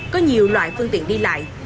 có nhiều loại phương tiện đi lại